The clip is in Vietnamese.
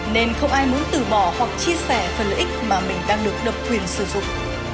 nên không ai muốn từ bỏ hoặc chia sẻ phần lợi ích mà mình đang được độc quyền sử dụng